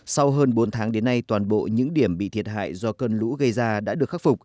sau hơn bốn tháng đến nay toàn bộ những điểm bị thiệt hại do cơn lũ gây ra đã được khắc phục